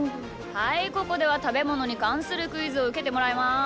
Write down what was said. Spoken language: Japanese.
はいここではたべものにかんするクイズをうけてもらいます。